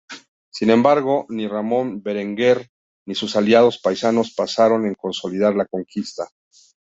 Sin embargo, ni Ramón Berenguer ni sus aliados pisanos pensaron en consolidar la conquista.